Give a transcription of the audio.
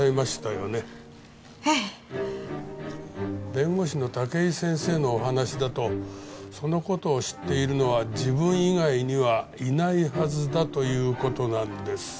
弁護士の武井先生のお話だとその事を知っているのは自分以外にはいないはずだという事なんです。